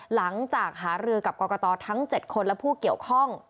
หลังจากหารือกับกรกตทั้ง๗คนและผู้เกี่ยวข้อง